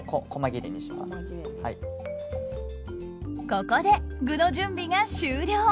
ここで、具の準備が終了。